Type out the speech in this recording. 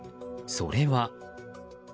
それは。